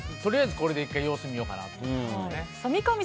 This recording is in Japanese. とりあえず、これで１回様子見ようかなと。